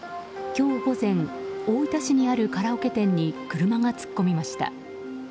今日午前大分市にあるカラオケ店に車が突っ込みました。